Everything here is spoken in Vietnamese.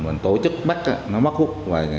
mình tổ chức bắt nó mất khúc